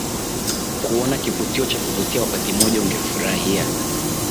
kuona kivutio cha kuvutia wakati moja ungefurahia